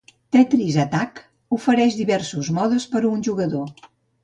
"Tetris Attack" ofereix diversos modes per a un jugador.